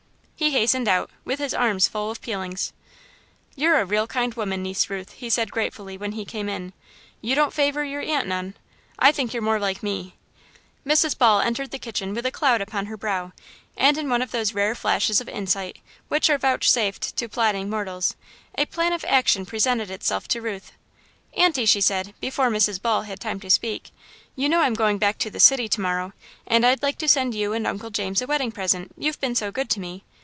He hastened out, with his arms full of peelings. "You're a real kind woman, Niece Ruth," he said gratefully, when he came in. "You don't favour your aunt none I think you're more like me." Mrs. Ball entered the kitchen with a cloud upon her brow, and in one of those rare flashes of insight which are vouchsafed to plodding mortals, a plan of action presented itself to Ruth. "Aunty," she said, before Mrs. Ball had time to speak, "you know I'm going back to the city to morrow, and I'd like to send you and Uncle James a wedding present you've been so good to me.